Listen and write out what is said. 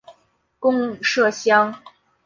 贡麝香。